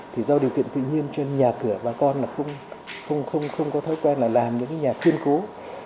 thì do điều kiện tự nhiên trên nhà cửa bà con không có thói quen là làm những nhà khuyên cứu